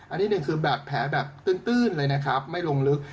อันนี้หนึ่งคือแบบแผลแบบตื้นเลยนะครับไม่ลงลึก